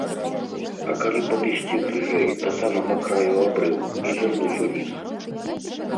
А калі падысці бліжэй, да самага краю абрыву, і зірнуць уніз?